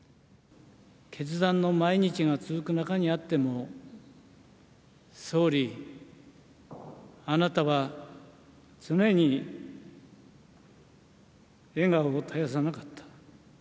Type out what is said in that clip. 決断の毎日が続く中にあっても、総理、あなたは常に笑顔を絶やさなかった。